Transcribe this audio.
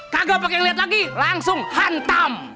kagak pakai ngeliat lagi langsung hantam